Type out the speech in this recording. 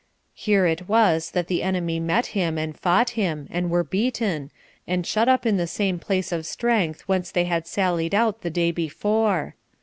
Here it was that the enemy met him, and fought him, and were beaten, and shut up in the same place of strength whence they had sallied out the day before.